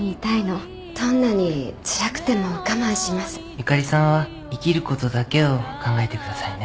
ゆかりさんは生きることだけを考えてくださいね。